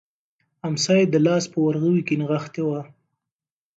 امسا یې د لاس په ورغوي کې نښتې وه.